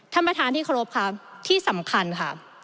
ท่านประธานที่เคารพค่ะที่สำคัญค่ะ